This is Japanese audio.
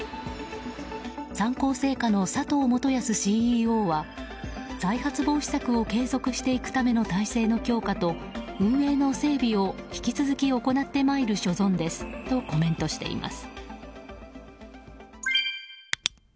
三幸製菓の佐藤元保ＣＥＯは再発防止策を継続していくための体制の強化と運営の整備を引き続き行ってまいる所存ですとコメントしています。